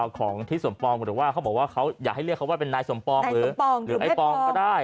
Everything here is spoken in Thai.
ของทิศสมปองหรือว่าเขาบอกว่าเขาอยากให้เรียกเขาว่าเป็นนายสมปองหรือไอ้ปองก็ได้